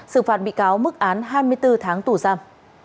xử phạt bị cáo mức án hai mươi bốn tháng tù giam